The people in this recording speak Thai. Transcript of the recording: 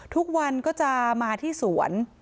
ทุกวันก็จะมาที่สวน